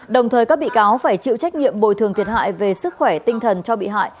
đồng thời các bị cáo phải chịu trách nhiệm bồi thường thiệt hại về sức khỏe tinh thần cho bị hại